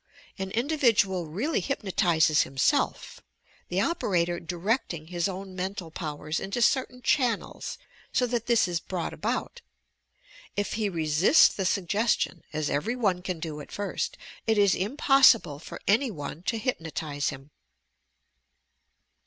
An individual really hypno tizes himself, the operator directing his own mental powers into certain channels so that this is brought about. If he resists the suggestion, as every one can do at first, it is impossible for any one to hypnotize him.